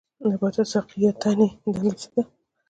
د نبات ساقې یا تنې دنده څه ده